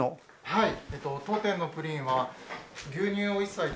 はい。